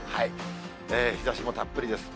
日ざしもたっぷりです。